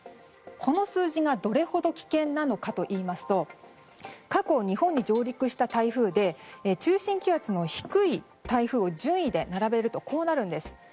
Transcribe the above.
この数字がどれほど危険なのかといいますと過去、日本に上陸した台風で中心気圧の低い台風を順位で並べるとこうなるんです。